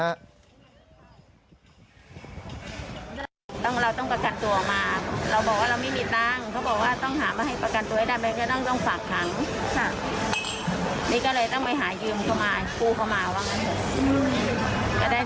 เราต้องประกันตัวออกมาเราบอกว่าเราไม่มีตังค์